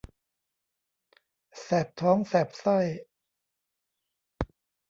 แสบท้องแสบไส้